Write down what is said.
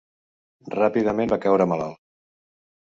Ràpidament va caure malalt.